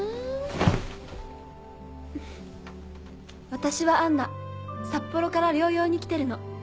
私は杏奈札幌から療養に来てるの。